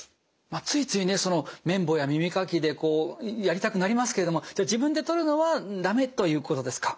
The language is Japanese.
ついつい綿棒や耳かきでやりたくなりますけれども自分で取るのはだめということですか？